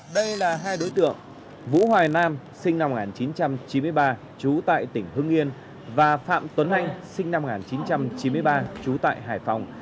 đây là hai đối tượng vũ hoài nam sinh năm một nghìn chín trăm chín mươi ba trú tại tỉnh hưng yên và phạm tuấn anh sinh năm một nghìn chín trăm chín mươi ba trú tại hải phòng